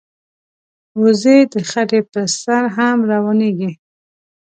وزې د خټې پر سر هم روانېږي